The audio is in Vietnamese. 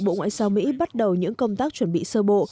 bộ ngoại giao mỹ bắt đầu những công tác chuẩn bị sơ bộ